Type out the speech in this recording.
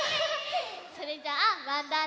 それじゃあわんだー